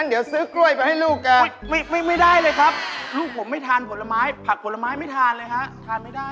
เดี๋ยวลูกแกก็หิวหรอก